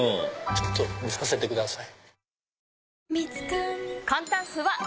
ちょっと見させてください。